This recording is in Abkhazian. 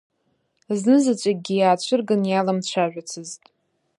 Зны заҵәыкгьы иаацәырган иаламцәажәацызт.